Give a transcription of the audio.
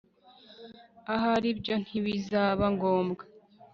ahari ibyo ntibizaba ngombwa